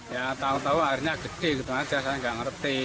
ya tahu tahu airnya gede gitu aja saya nggak ngerti